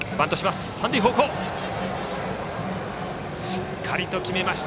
しっかりと決めました。